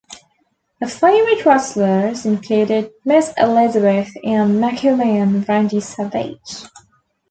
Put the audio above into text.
Her favorite wrestlers included Miss Elizabeth and Macho Man Randy Savage.